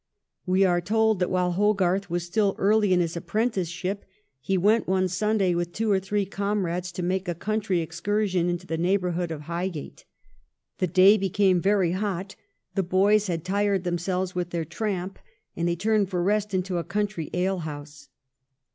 We are told that while Hogarth was still early in his apprenticeship, he went one Sunday with two or .three comrades to make a country excursion in the neighbourhood of Highgate. The day became very hot; the boys had tired themselves with their tramp, and they turned for rest into a country alehouse.